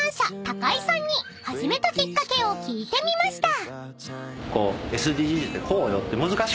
高井さんに始めたきっかけを聞いてみました］